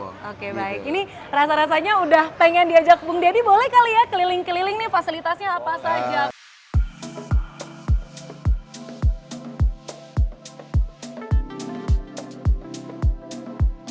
oke baik ini rasa rasanya udah pengen diajak bung dedy boleh kali ya keliling keliling nih fasilitasnya apa saja